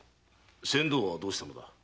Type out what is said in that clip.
船頭はどうしたのだ？